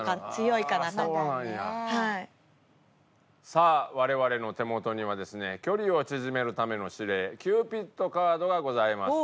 さあ我々の手元にはですね距離を縮めるための指令キューピッドカードがございます。